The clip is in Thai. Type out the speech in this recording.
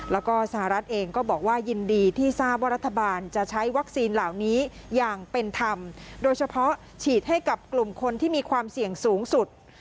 แล้วก็สหรัฐเองก็บอกว่ายินดีที่ทราบว่ารัฐบาลจะใช้วัคซีนเหล่านี้อย่างเป็นธรรมโดยเฉพาะฉีดให้กับกลุ่มคนที่มีความเสี่ยงสูงสุด